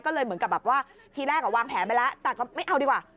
ก็เลยเหมือนกับแบบว่าทีแรกวางแผนไปแล้วแต่ก็ไม่เอาดีกว่า